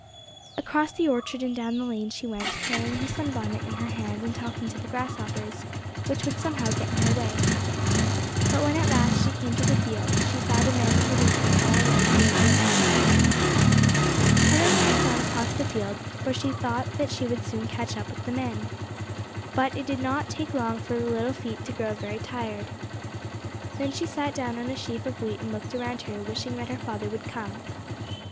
Across the orchard and down the lane she went, carrying her sunbonnet in her hand and talking to the grasshoppers, which would somehow get in her way. But when at last she came to the field, she saw the men and the reaper far away toward the other side. Helen kept on across the field, for she thought that she would soon catch up with the men. But it did not take long for the little feet to grow very tired. Then she sat down on a sheaf of wheat and looked around her, wishing that her father would come.